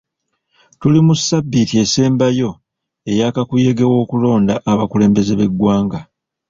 Tuli mu ssabbiiti esembayo eya kakuyege w'okulonda abakulembeze b'eggwanga.